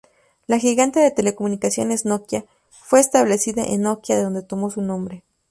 La gigante de telecomunicaciones Nokia fue establecida en Nokia de donde tomó su nombre.